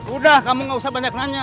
udah kamu gak usah banyak nanya